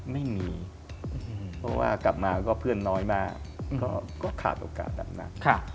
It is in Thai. ไม่มีเพราะว่ากลับมาก็เพื่อนน้อยมากก็ขาดโอกาสแบบนั้น